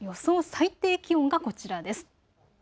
最低気温がこちらです。